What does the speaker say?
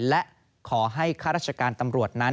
และขอให้ข้าราชการตำรวจนั้น